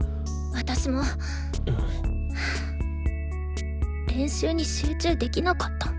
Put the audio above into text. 私も練習に集中できなかった。